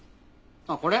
あっこれ？